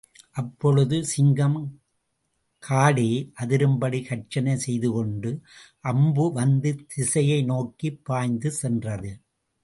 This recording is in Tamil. அப்பொழுது சிங்கம், காடே அதிரும்படி கர்ச்சனை செய்துகொண்டு, அம்பு வந்த திசையை நோக்கிப் பாய்ந்து சென்றது.